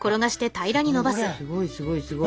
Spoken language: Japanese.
すごいすごいすごい。